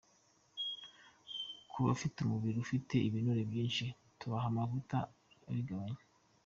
Ku bafite umubiri ufite ibinure byinshi, tubaha amavuta abigabanya.